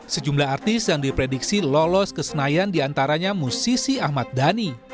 sejumlah artis yang diprediksi lolos ke senayan diantaranya musisi ahmad dhani